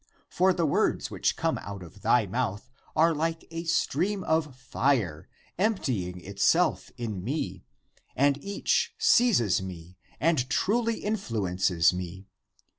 For the words which come out of thy mouth are like a stream of fire, emptying itself in me, and each seizes me and truly influences me.